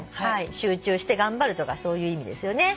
集中して頑張るとかそういう意味ですよね。